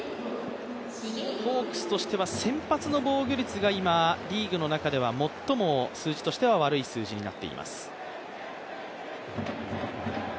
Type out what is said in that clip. ホークスとして先発の防御率がリーグの中では最も数字としては悪い数字になっています。